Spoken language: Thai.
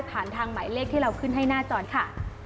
ทางหมายเลขที่เราขึ้นให้หน้าจอค่ะ